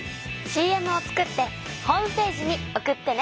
ＣＭを作ってホームページに送ってね！